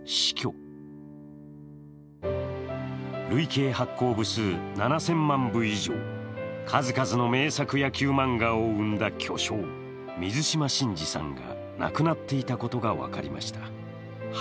累計発行部数７０００万部以上、数々の名作野球漫画を生んだ巨匠、水島新司さんが亡くなっていたことが分かりました。